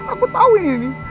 aku tahu ini